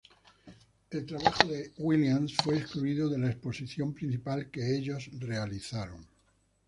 El trabajo de Williams fue excluido de la exposición principal que ellos realizaron.